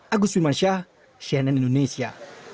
agus wimansyah cnn indonesia